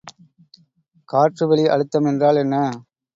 காற்றுவெளி அழுத்தம் என்றால் என்ன?